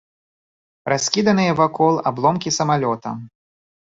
Раскіданыя вакол абломкі самалёта.